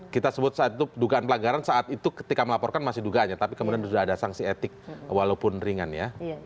kita sebut saat itu dugaan pelanggaran saat itu ketika melaporkan masih dugaannya tapi kemudian sudah ada sanksi etik walaupun ringan ya